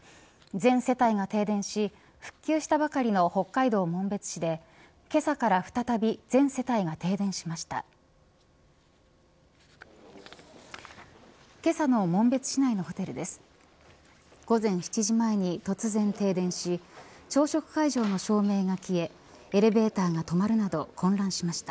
全世帯が停電し復旧したばかりの北海道紋別市でけさから再び全世帯が停電しました。